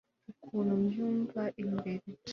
ukuntu mbyumva imbere